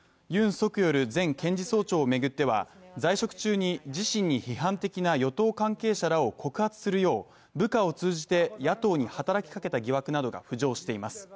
ソクヨル前検事総長を巡っては在職中に自身に批判的な与党関係者らを告発するよう部下を通じて野党に働きかけた疑惑などが浮上しています。